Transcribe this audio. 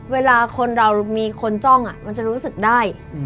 เวลาคนเรามีคนจ้องมันจะรู้สึกได้